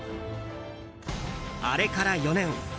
あれから４年。